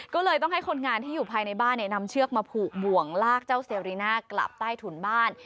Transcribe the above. ก็เลยต้องให้คนงานที่อยู่ภายในบ้านนำเชือกมาผูกบ่วงลากเจ้าเซริน่ากลับใต้ถุนบ้าน